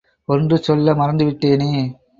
ஒன்று சொல்ல மறந்துவிட்டேனே!